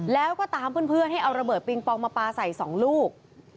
แล้วก็ตามเพื่อนให้เอาระเบิดปิงปองมาปลาใส่๒ลูก